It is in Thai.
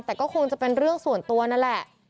แต่ก็คงจะเป็นเรื่องส่วนตัวนั่นแหละ